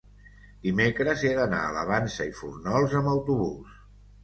dimecres he d'anar a la Vansa i Fórnols amb autobús.